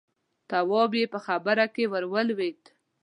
تواب يې په خبره کې ور ولوېد: